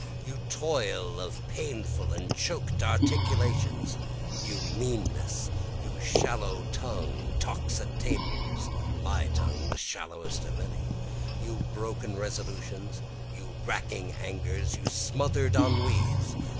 You toil of painful and choked articulations, you meannesses, You shallow tongue talks at tables, (my tongue the shallowest of any;) You broken resolutions, you racking angers, you smother'd ennuis!